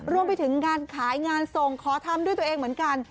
รวมไปถึงงานขายงานส่งขอทำด้วยตัวเองเหมือนกัน